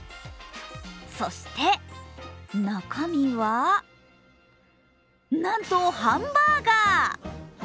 そして中身は、なんとハンバーガー！